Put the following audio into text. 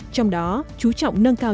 trong đó chú trọng nâng cao